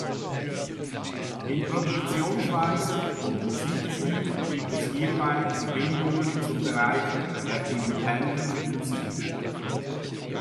In Produktionsweise und Musikstil gibt es hierbei Verbindungen zum Bereich der Independent-Musik.